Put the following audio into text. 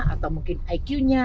atau mungkin iqnya